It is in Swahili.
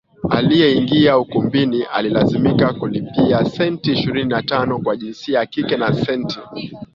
aliyeingia ukumbini alilazimika kulipia senti ishirini na tano kwa jinsia ya kike na senti